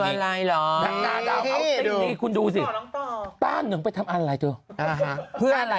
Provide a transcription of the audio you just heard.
เพื่ออะไรหรอ